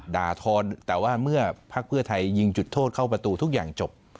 ด่าทอนแต่ว่าเมื่อพักเพื่อไทยยิงจุดโทษเข้าประตูทุกอย่างจบ